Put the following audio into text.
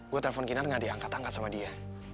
gue telepon kinar nggak diangkat angkat sama dia